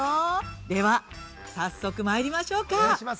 では、早速まいりましょうか。